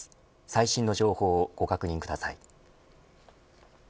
最新の情報をご確認ください。